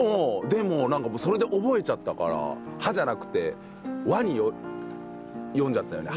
でもなんかもうそれで覚えちゃったから「は」じゃなくて「わ」に読んじゃったよね